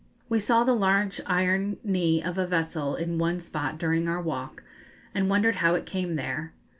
We saw the large iron knee of a vessel in one spot during our walk, and wondered how it came there.